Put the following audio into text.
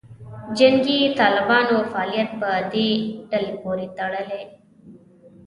جنګي طالبانو فعالیت په دې ډلې پورې تړلې.